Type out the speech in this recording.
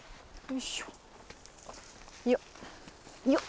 よっ。